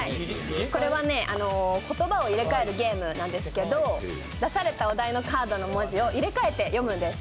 言葉を入れ替えるゲームなんですけど出されたお題のカードの文字を入れ替えて読むんです。